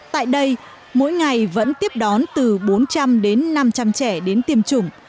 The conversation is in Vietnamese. tại đây mỗi ngày vẫn tiếp đón từ bốn trăm linh đến năm trăm linh trẻ đến tiêm chủng